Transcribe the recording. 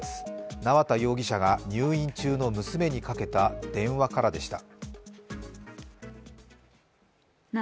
縄田容疑者が入院中の娘にかけた電話からでした。